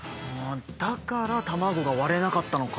だから卵が割れなかったのか。